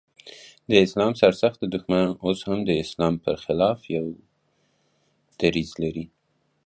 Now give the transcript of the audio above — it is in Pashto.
د اسلام سر سخته دښمنان اوس هم د اسلام پر خلاف يو دريځ لري.